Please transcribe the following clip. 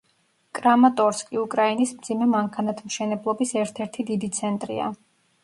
კრამატორსკი უკრაინის მძიმე მანქანათმშენებლობის ერთ-ერთი დიდი ცენტრია.